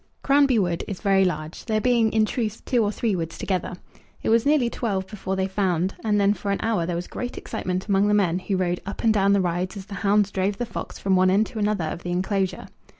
Cranby Wood is very large, there being, in truth, two or three woods together. It was nearly twelve before they found; and then for an hour there was great excitement among the men, who rode up and down the rides as the hounds drove the fox from one end to another of the enclosure.